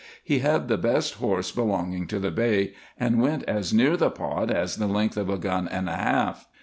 He had the best horse belonging to the Bey, and went as near the pot as the length of a gun and a half.